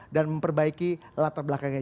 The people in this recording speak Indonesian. dan memperbaiki latar belakangnya